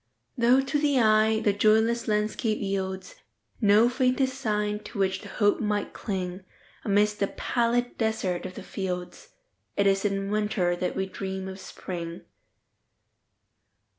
Though, to the eye, the joyless landscape yieldsNo faintest sign to which the hope might cling,—Amidst the pallid desert of the fields,—It is in Winter that we dream of Spring.